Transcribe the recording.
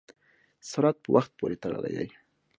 سرعت په وخت پورې تړلی دی.